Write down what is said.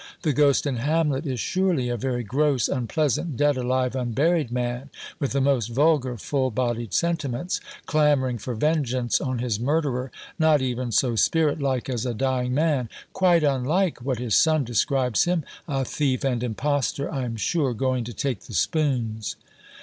The Ghost in Hamlet is surely a very gross unpleasant dead alive unburied man, with the most vulgar full bodied sentiments, clamouring for vengeance on his murderer (not even so spirit like as a dying man), quite unlike what his son describes him a Thief and Impostor, I am sure, going to take the spoons.